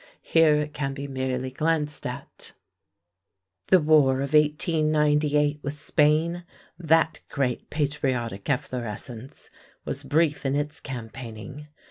Here it can be merely glanced at. The war of 1898 with Spain that great patriotic efflorescence was brief in its campaigning.